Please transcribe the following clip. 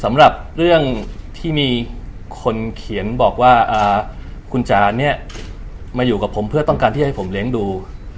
สำหรับเรื่องที่มีคนเขียนบอกว่าคุณจ๋าเนี่ยมาอยู่กับผมเพื่อต้องการที่ให้ผมเลี้ยงดู